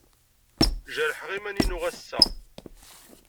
Jerḥeɣ iman-inu ass-a.